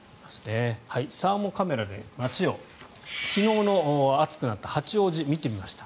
サーモカメラで街を昨日の暑くなった八王子を見てみました。